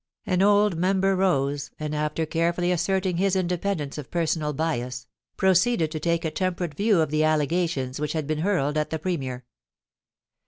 ... An old member rose, and, after carefully asserting his in dependence of personal bias, proceeded to take a temperate view of the allegations which had been hurled at the Premier.